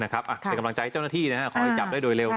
เป็นกำลังใจให้เจ้าหน้าที่คอยจับได้โดยเร็ว